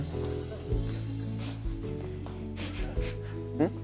うん？